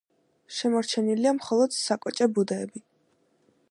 შემორჩენილია მხოლოდ საკოჭე ბუდეები.